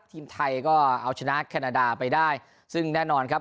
ทีมไทยก็เอาชนะแคนาดาไปได้ซึ่งแน่นอนครับ